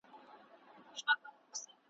خر په پوه سوچی لېوه یې غوښي غواړي ,